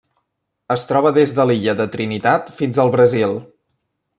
Es troba des de l'Illa de Trinitat fins al Brasil.